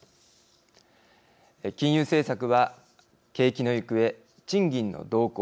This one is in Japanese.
金融政策は景気の行方、賃金の動向